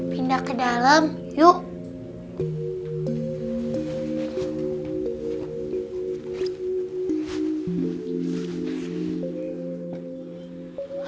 pindah ke dalam yuk